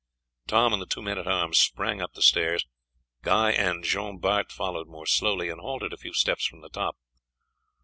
Tom and the two men at arms sprang up the stairs, Guy and Jean Bart followed more slowly, and halted a few steps from the top.